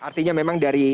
artinya memang dari